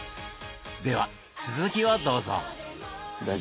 では続きをどうぞ。